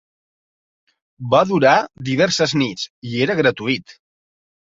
Va durar diverses nits i era gratuït.